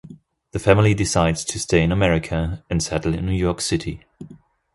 The family decides to stay in America and settle in New York City.